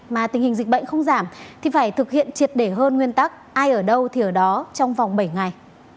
mà tình hình dịch bệnh không giảm thì phải thực hiện triệt để hơn nguyên tắc ai ở đâu thì ở đó trong vòng bảy ngày